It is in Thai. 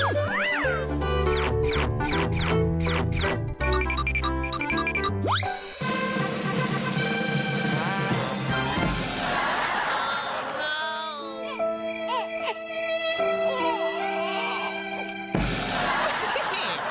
โอ้ไม่